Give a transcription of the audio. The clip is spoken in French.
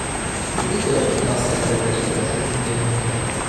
Cette école quitte Vincennes à l’occasion de la Seconde Guerre mondiale.